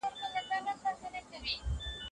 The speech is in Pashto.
کارپوهانو په ګوته کړه چی پانګونه اړينه ده.